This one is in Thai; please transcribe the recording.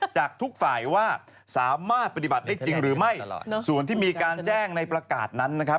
จากทุกฝ่ายว่าสามารถปฏิบัติได้จริงหรือไม่ส่วนที่มีการแจ้งในประกาศนั้นนะครับ